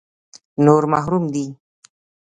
نور محروم دي.